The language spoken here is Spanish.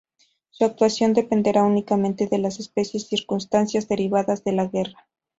Su actuación dependerá únicamente de las especiales circunstancias derivadas de la guerra.